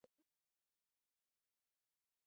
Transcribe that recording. ازادي راډیو د اقتصاد په اړه پرله پسې خبرونه خپاره کړي.